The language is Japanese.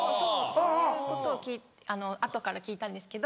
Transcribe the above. そういうことを後から聞いたんですけど。